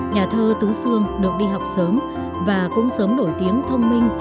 nhà thơ tú sương được đi học sớm và cũng sớm nổi tiếng thông minh